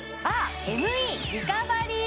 ＭＥリカバリー